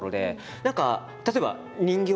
何か例えば人形遊び